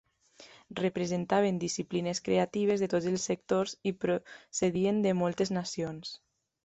Representaven disciplines creatives de tots els sectors i procedien de moltes nacions.